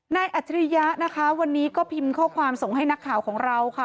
อัจฉริยะนะคะวันนี้ก็พิมพ์ข้อความส่งให้นักข่าวของเราค่ะ